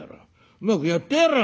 うまくやってやらぁ